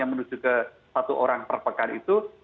yang menuju ke satu orang perpekan itu